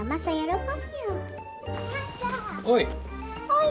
はい。